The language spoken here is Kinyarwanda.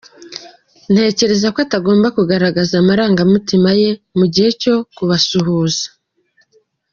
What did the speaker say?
Ntekereza ko atagombaga kugaragaza amarangamutima ye mu gihe cyo kubasuhuza.